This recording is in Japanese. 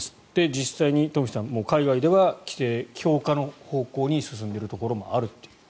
実際に東輝さん海外では規制強化の方向に進んでいるところもあるという。